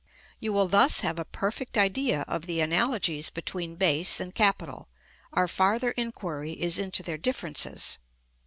You will thus have a perfect idea of the analogies between base and capital; our farther inquiry is into their differences.